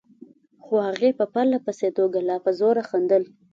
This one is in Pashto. خو هغې په پرله پسې توګه لا په زوره خندل.